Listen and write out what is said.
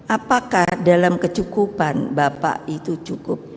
apakah dalam kecukupan bapak itu cukup